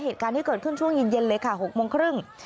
เหตุการณ์ที่เกิดขึ้นช่วงเย็นเลยค่ะ๖โมงครึ่ง